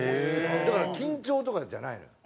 だから緊張とかじゃないのよ。